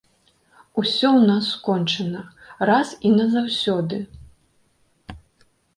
Усё ў нас скончана, раз і назаўсёды!